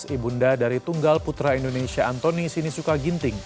ibunda dari tunggal putra indonesia antoni sinisuka ginting